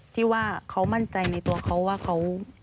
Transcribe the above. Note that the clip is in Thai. ที่ว่าเขามั่นใจในตัวเขาว่าเขา